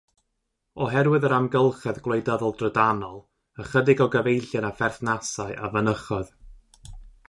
Oherwydd yr amgylchedd gwleidyddol drydanol ychydig o gyfeillion a pherthnasau a fynychodd.